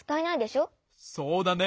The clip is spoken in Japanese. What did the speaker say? そうだね。